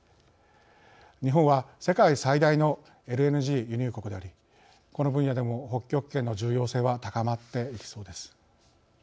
日本は世界最大のＬＮＧ輸入国でありこの分野でも北極圏の重要性は高まっていきそうです。